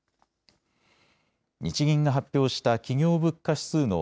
日銀が発表した企業物価指数の